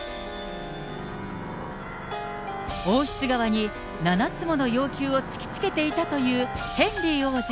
王室側に７つもの要求を突きつけていたというヘンリー王子。